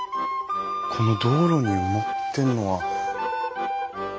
この道路に埋まってるのは。